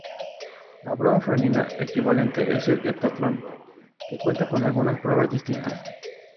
La prueba femenina equivalente es el heptatlón, que cuenta con algunas pruebas distintas.